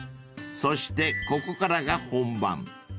［そしてここからが本番］